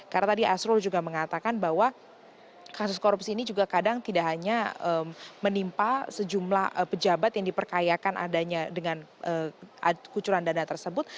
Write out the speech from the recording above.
karena tadi asro juga mengatakan bahwa kasus korupsi ini juga kadang tidak hanya menimpa sejumlah pejabat yang diperkayakan adanya dengan kucuran dana tersebut